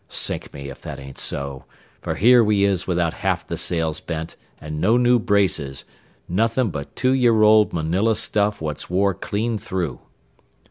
Sink me, if that ain't so, for here we is without half the sails bent an' no new braces, nothin' but two year old manila stuff what's wore clean through.